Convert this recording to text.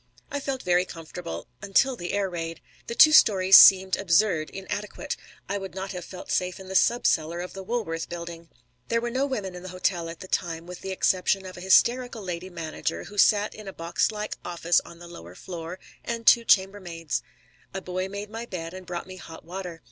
I felt very comfortable until the air raid. The two stories seemed absurd, inadequate. I would not have felt safe in the subcellar of the Woolworth Building. There were no women in the hotel at that time, with the exception of a hysterical lady manager, who sat in a boxlike office on the lower floor, and two chambermaids. A boy made my bed and brought me hot water.